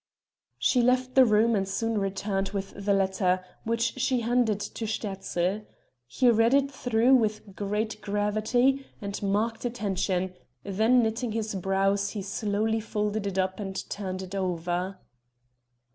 She left the room and soon returned with the letter which she handed to Sterzl. He read it through with great gravity and marked attention then knitting his brows he slowly folded it up and turned it over.